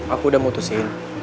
aku udah mutusin